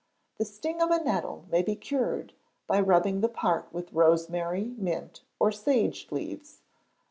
The sting of a nettle may be cured by rubbing the part with rosemary, mint, or sage leaves.